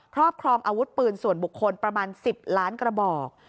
ครอบครองอาวุธปืนส่วนบุคคลประมาณ๑๐ล้านกระบอก